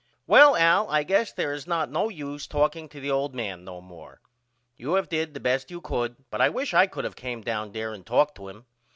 Well Al I guess there is not no use talking to the old man no more. You have did the best you could but I wish I could of came down there and talked to him.